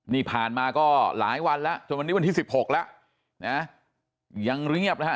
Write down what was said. นี่ผ่านมาก็หลายวันละถึงวันนี้วันที่๑๖แล้วนะ